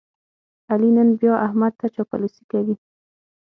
علي نن بیا احمد ته چاپلوسي کوي.